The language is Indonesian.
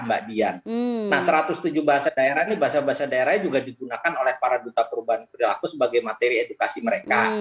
nah satu ratus tujuh bahasa daerah ini bahasa bahasa daerahnya juga digunakan oleh para duta perubahan perilaku sebagai materi edukasi mereka